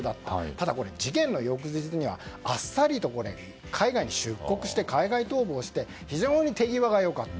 ただ、事件の翌日にはあっさりと海外に出国して海外逃亡して非常に手際が良かった。